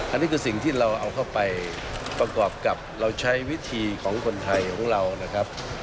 อันนี้คือสิ่งที่เราเอาเข้าไปประกอบกับเราใช้วิธีของคนไทยของเรานะครับ